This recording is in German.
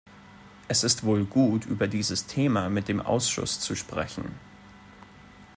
Es ist wohl gut, über dieses Thema mit dem Ausschuss zu sprechen.